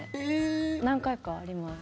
何回かあります。